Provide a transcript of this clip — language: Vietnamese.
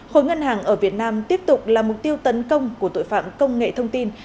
khối ngân hàng ở việt nam tiếp tục là mục tiêu tấn công của tội phạm công nghệ thông tin